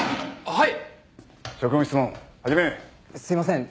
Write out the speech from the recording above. はい！